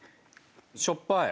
しょっぱい。